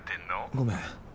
ごめん。